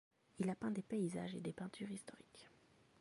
Il a peint des paysages et des peintures historiques.